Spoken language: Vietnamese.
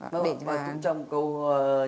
được rồi và cũng trong câu hỏi đó là